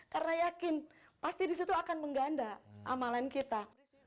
karena yakin pasti disitu akan mengganda amalan kita